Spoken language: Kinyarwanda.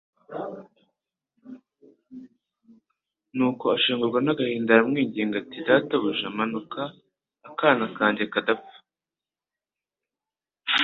Nuko ashengurwa n'agahinda, aramwinginga ati: "Databuja, manuka, akana kanjye katarapfa."